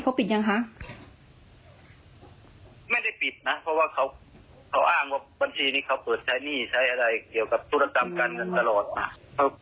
เกี่ยวกับธุรกรรมการเงินตลอดนะ